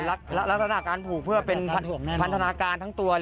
ลักษณะการผูกเพื่อเป็นพันธนาการทั้งตัว